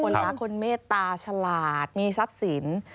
รักคนเมตตาฉลาดมีทรัพย์สิน